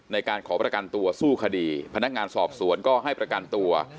ในการขอประกันตัวสู้คดีพนักงานสอบสวนก็ให้ประกันตัว